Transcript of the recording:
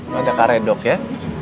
tuh ada karedok ya